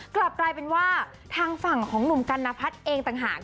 กลับกลายเป็นว่าทางฝั่งของหนุ่มกัณพัฒน์เองต่างหาก